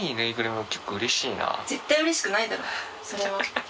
絶対うれしくないだろそれは。